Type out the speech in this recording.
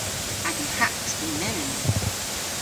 Agan hatt yw melyn.